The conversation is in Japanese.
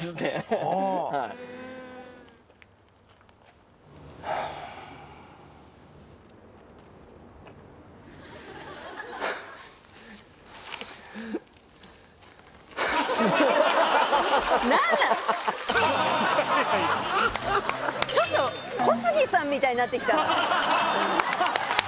はいちょっと小杉さんみたいになってきたな